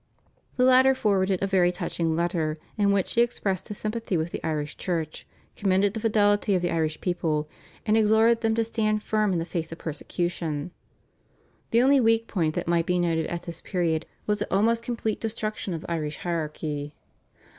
The latter forwarded a very touching letter in which he expressed his sympathy with the Irish Church, commended the fidelity of the Irish people, and exhorted them to stand firm in the face of persecution. The only weak point that might be noted at this period was the almost complete destruction of the Irish hierarchy.